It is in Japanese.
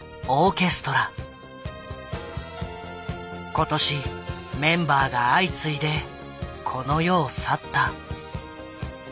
今年メンバーが相次いでこの世を去った。